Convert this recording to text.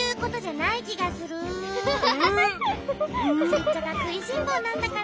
シッチャカくいしんぼうなんだから。